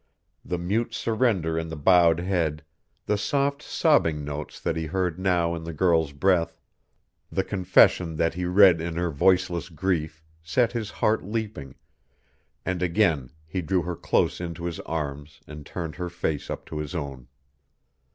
The mute surrender in the bowed head, the soft sobbing notes that he heard now in the girl's breath, the confession that he read in her voiceless grief set his heart leaping, and again he drew her close into his arms and turned her face up to his own.